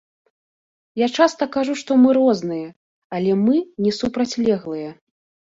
Я часта кажу, што мы розныя, але мы не супрацьлеглыя.